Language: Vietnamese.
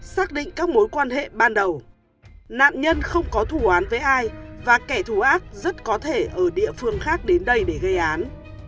xác định các mối quan hệ ban đầu nạn nhân không có thù án với ai và kẻ thù ác rất có thể ở địa phương khác đến đây để gây án